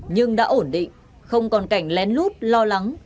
nhưng đã ổn định không còn cảnh lén lút lo lắng